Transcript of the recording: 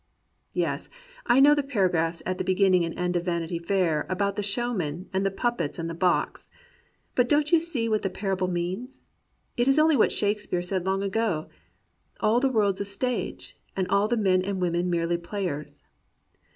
Yes, I know the paragraphs at the beginning and end of Vanity Fair about the showman and the puppets and the box. But don't you see what the parable means? It is only what Shakespeare said long ago: All the world's a stage. And all the men and women merely players.